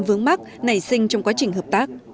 vướng mắt nảy sinh trong quá trình hợp tác